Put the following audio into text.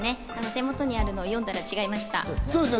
手元にあるのを読んだら違いました。